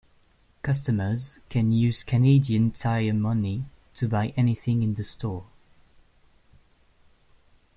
Customers can use Canadian Tire Money to buy anything in the store.